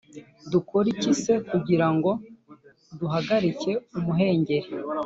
Dukore iki se kugira ngo duhagarike umuhengeri